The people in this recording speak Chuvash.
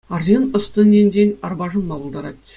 Арҫын ӑс-тӑн енчен арпашӑнма пултарать.